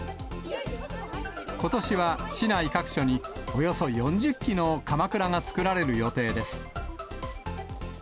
ことしは市内各所に、およそ４０基のかまくらが作られる予定です。